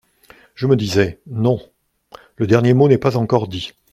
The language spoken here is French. Je me disais : non ! le dernier mot n’est pas encore dit !